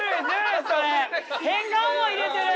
変顔も入れてる。